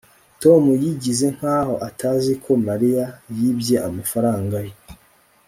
tom yigize nkaho atazi ko mariya yibye amafaranga ye